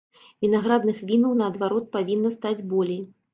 Вінаградных вінаў наадварот павінна стаць болей.